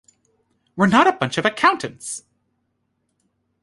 We're not a bunch of accountants!